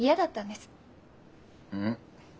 うん。